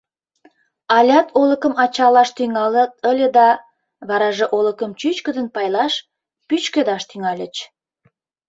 Алят олыкым ачалаш тӱҥалыт ыле да, вараже олыкым чӱчкыдын пайлаш, пӱчкедаш тӱҥальыч.